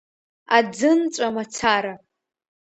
Аӡынҵәа мацара.